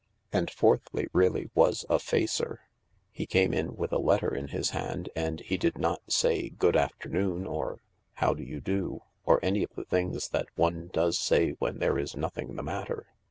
And fourthly really was a facer. He came in with a letter in his hand, and he did not say, " Good afternoon," or " How do you do," or any of the things that one does say when there is nothing the matter.